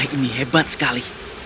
ini hebat sekali